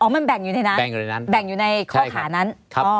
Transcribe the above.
อ๋อมันแบ่งอยู่ในนั้นแบ่งอยู่ในข้อหานั้นใช่ค่ะครับ